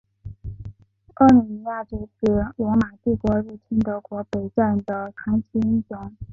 阿米尼亚阻止罗马帝国入侵德国北部的传奇英雄。